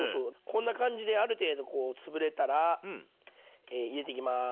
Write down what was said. こんな感じである程度こう潰れたら入れていきます。